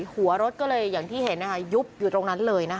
หัวรถก็เลยอย่างที่เห็นนะคะยุบอยู่ตรงนั้นเลยนะคะ